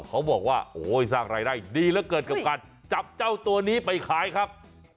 เขาบอกว่าโอ้ยสร้างรายได้ดีเหลือเกินกับการจับเจ้าตัวนี้ไปขายครับ